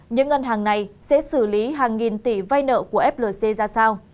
những ngân hàng này sẽ xử lý hàng nghìn tỷ vay nợ của flc ra sao